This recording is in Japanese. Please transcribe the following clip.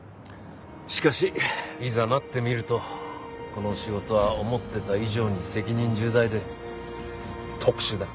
しかしいざなってみるとこの仕事は思ってた以上に責任重大で特殊だ。